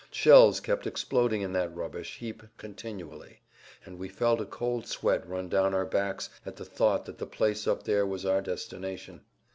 Shells kept exploding in that rubbish heap continually, and we felt a cold sweat run down our backs at the thought that the place up there was our destination.